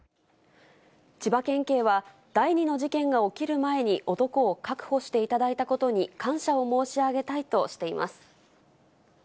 千葉県警は、第二の事件が起きる前に男を確保していただいたことに感謝を申し上げたいとしています。